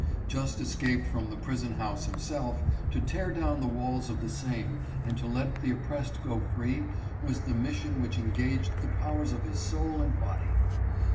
Just escaped from the prison house himself, to tear down the walls of the same and to let the oppressed go free was the mission which engaged the powers of his soul and body.